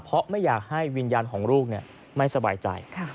เพราะไม่อยากให้วิญญาณของลูกไม่สบายใจ